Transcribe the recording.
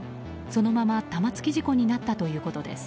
そのまま玉突き事故になったということです。